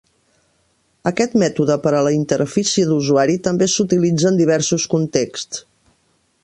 Aquest mètode per a la interfície d'usuari també s'utilitza en diversos contexts.